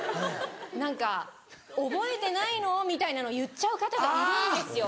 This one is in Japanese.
何か「覚えてないの？」みたいなの言っちゃう方がいるんですよ。